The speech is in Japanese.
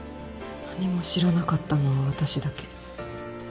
何も知らなかったのは私だけ。